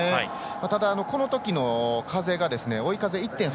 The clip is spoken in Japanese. ただ、このときの風が追い風１．８